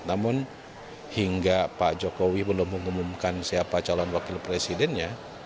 namun hingga pak jokowi belum mengumumkan siapa calon wakil presidennya